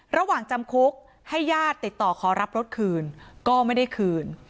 จำคุกให้ญาติติดต่อขอรับรถคืนก็ไม่ได้คืน